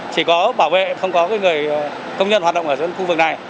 chỉ có bảo vệ không có người công nhân hoạt động ở khu vực này